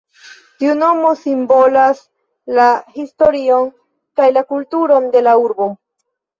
Tiu nomo simbolas la historion kaj la kulturon de la urbo.